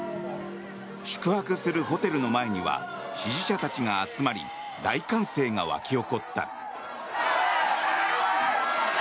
宿泊するホテルの前には支持者たちが集まり大歓声が沸き起こった。